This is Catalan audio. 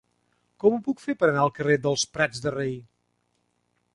Com ho puc fer per anar al carrer dels Prats de Rei?